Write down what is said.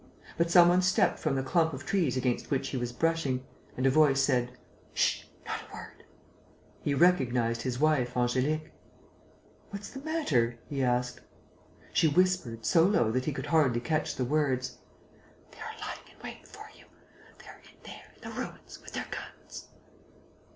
But some one stepped from the clump of trees against which he was brushing; and a voice said; "Ssh!... Not a word!..." He recognized his wife, Angélique: "What's the matter?" he asked. She whispered, so low that he could hardly catch the words: "They are lying in wait for you ... they are in there, in the ruins, with their guns...."